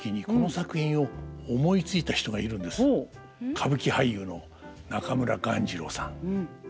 歌舞伎俳優の中村鴈治郎さん。